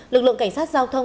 lực lượng cảnh sát giao thông